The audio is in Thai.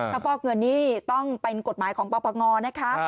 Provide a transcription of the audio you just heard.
ถ้าฟอกเงินนี่ต้องเป็นกฎหมายของปปงนะคะ